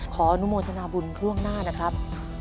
ขออนุโมทนาบุญล่วงหน้านะครับ